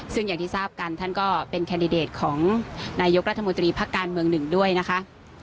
ซึ่งอย่างที่ทราบกันท่านก็เป็นแคนดิเดตของนายกรัฐมนตรีพักการเมืองหนึ่งด้วยนะคะ